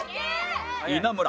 稲村